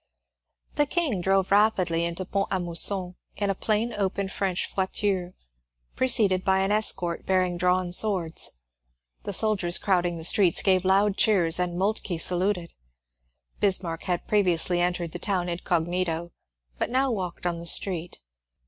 The King drove rapidly into Pont a Mousson in a plain 232 MONCURE DANIEL CX)NWAT open French voitare, preceded by an escort bearing drawn swords. The soldiers crowding the streets gave loud cheers, and Moltke saluted. Bismarck had previously entered the town incognito, but now walked on the street.